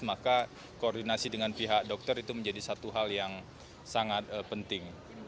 maka koordinasi dengan pihak dokter itu menjadi satu hal yang sangat penting